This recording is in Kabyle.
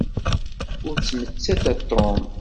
Ur ttmettat a Tom.